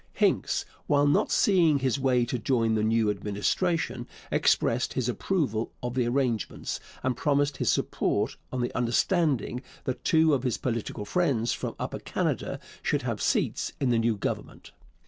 Hincks, while not seeing his way to join the new Administration, expressed his approval of the arrangements, and promised his support on the understanding that two of his political friends from Upper Canada should have seats in the new Government.